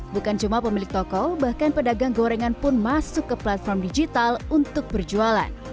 bukan cuma pemilik toko bahkan pedagang gorengan pun masuk ke platform digital untuk berjualan